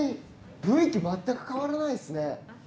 雰囲気、全く変わらないですね。